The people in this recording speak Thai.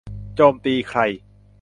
โจมตีใคร